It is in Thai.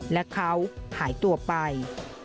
และเขาหายตัวไป